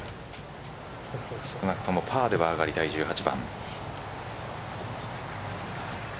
少なくともパーでは上がりたい１８番。